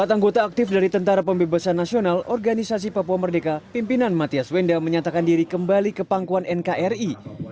empat anggota aktif dari tentara pembebasan nasional organisasi papua merdeka pimpinan mathias wenda menyatakan diri kembali ke pangkuan nkri